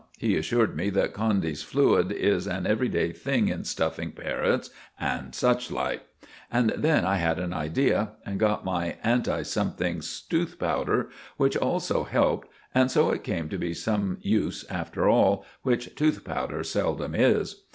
He assured me that Condy's fluid is an everyday thing in stuffing parrots and suchlike; and then I had an idea, and got my 'anti something' tooth powder; which also helped, and so it came to be some use after all, which tooth powder seldom is.